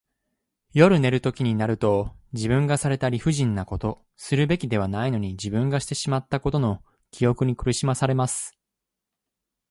夜寝るときになると、自分がされた理不尽なこと、するべきではないのに自分がしてしまったことの記憶に苦しまされます。